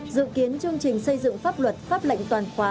dự kiến chương trình xây dựng pháp luật pháp lệnh toàn khóa